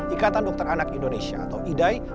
ikatan dokter anak indonesia atau idai